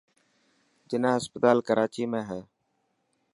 جناح اسپتال ڪراچي ۾ هي.